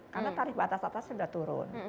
karena tarif batas atas sudah turun